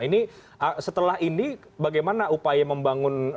ini setelah ini bagaimana upaya membangun komunikasi politik